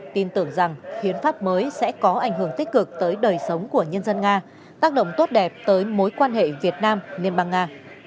tin tưởng rằng hiến pháp mới sẽ có ảnh hưởng tích cực tới đời sống của nhân dân nga tác động tốt đẹp tới mối quan hệ việt nam liên bang nga